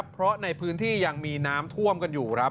เพราะในพื้นที่ยังมีน้ำท่วมกันอยู่ครับ